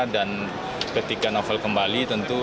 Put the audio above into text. dan ketika novel kembali tentu lupakan